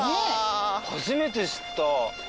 初めて知った。